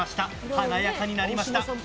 鮮やかになりました。